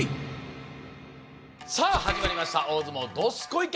さあ始まりました「大相撲どすこい研」。